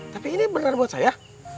tapi ini benar buat saya